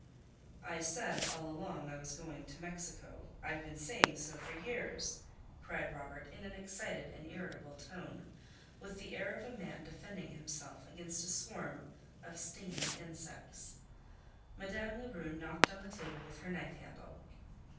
"I said all along I was going to Mexico; I've been saying so for years!" cried Robert, in an excited and irritable tone, with the air of a man defending himself against a swarm of stinging insects. Madame Lebrun knocked on the table with her knife handle.